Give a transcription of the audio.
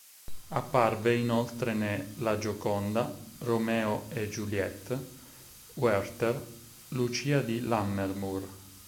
Apparve inoltre ne "La Gioconda", "Roméo et Juliette", "Werther", "Lucia di Lammermoor".